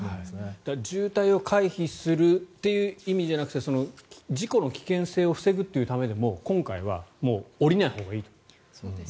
渋滞を回避するという意味ではなくて事故の危険性を防ぐためでも今回は降りないほうがいい